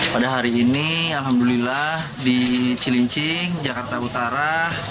pada hari ini alhamdulillah di cilincing jakarta utara